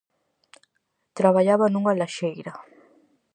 Traballaba nunha laxeira.